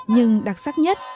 nhưng đặc sắc nhất